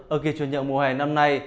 ở kỳ chuyển nhượng mùa hè năm nay